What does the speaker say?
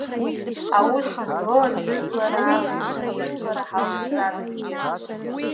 Аус злоу аҽыжәлара акәӡам, аҽыжәлара ҳалшозаап зегьы.